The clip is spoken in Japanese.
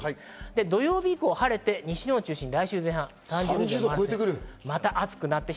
土曜日以降は晴れて西日本を中心に来週前半また暑くなる。